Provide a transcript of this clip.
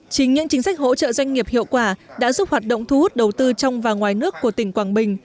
chính những chính sách hỗ trợ doanh nghiệp hiệu quả đã giúp hoạt động thu hút đầu tư trong và ngoài nước của tỉnh quảng bình